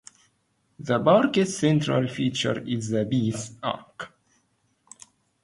The park's central feature is the Peace Arch.